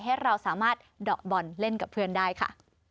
ให้เราสามารถเดาะบอลเล่นกับเพื่อนได้ค่ะ